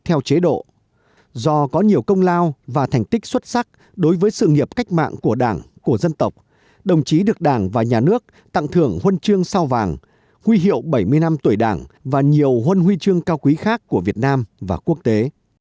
theo chế độ do có nhiều công lao và thành tích xuất sắc đối với sự nghiệp cách mạng của đảng của dân tộc đồng chí được đảng và nhà nước tặng thưởng huân chương sao vàng huy hiệu bảy mươi năm tuổi đảng và nhiều huân huy chương cao quý khác của việt nam và quốc tế